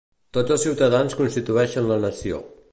Tots els ciutadans constitueixen la nació.